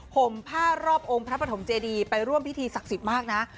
ห่มผ้ารอบองค์พระปฐมเจดีไปร่วมพิธีศักดิ์สิทธิ์มากนะ